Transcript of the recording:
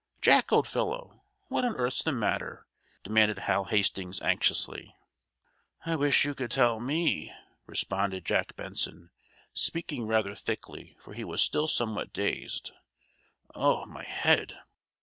"Jack, old fellow! What on earth's the matter?" demanded Hal Hastings, anxiously. "I wish you could tell me," responded Jack Benson, speaking rather thickly, for he was still somewhat dazed. "Oh, my head!"